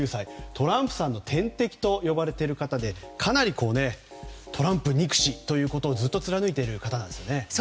トランプさんの天敵と呼ばれている方でかなりトランプ憎しということをずっと貫いている方なんですね。